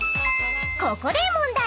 ［ここで問題］